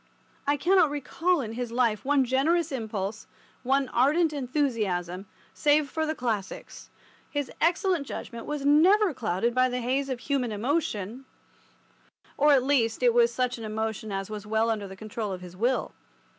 I cannot recall in his life one generous impulse, one ardent enthusiasm, save for the Classics. His excellent judgment was never clouded by the haze of human emotion—or, at least, it was such an emotion as was well under the control of his will.